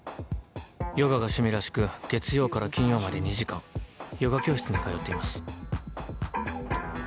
ヨガが趣味らしく月曜から金曜まで２時間ヨガ教室に通っています。